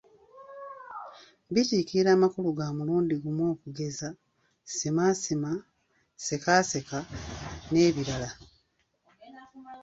Bikiikirira amakulu ga mulundi gumu okugeza; simaasima, sekaaseka n’ebirala.